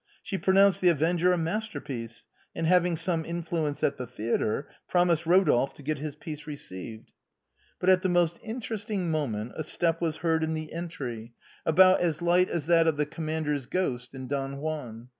She pronounced " The Avenger " a masterpiece, and having some influence at the theatre, promised Eodolphe to get his piece received. But at the most interesting moment a step was heard in the entry, about as light as that of the Commander's ghost in "Don Juan."